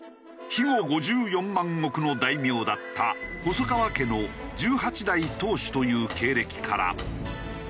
肥後５４万石の大名だった細川家の１８代当主という経歴から。